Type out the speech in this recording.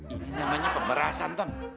ini namanya pemerasan mon